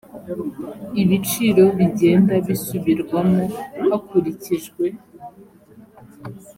ibiciro bigenda bisubirwamo hakurikijwe